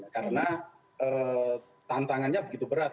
karena tantangannya begitu berat